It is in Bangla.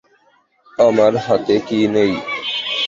আমার হাতে কী নেই?